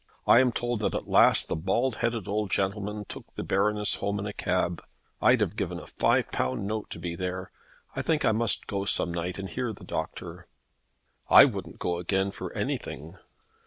I am told that at last the bald headed old gentleman took the Baroness home in a cab. I'd have given a five pound note to be there. I think I must go some night and hear the Doctor." "I wouldn't go again for anything."